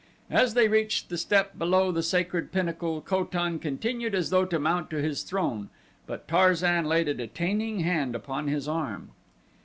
As they reached the step below the sacred pinnacle Ko tan continued as though to mount to his throne, but Tarzan laid a detaining hand upon his arm.